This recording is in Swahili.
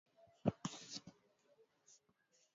ya Bahari Atlantiki Mkoa wa Kabinda umetenganika na sehemu